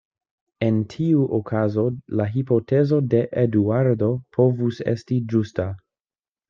En tiu okazo la hipotezo de Eduardo povus esti ĝusta.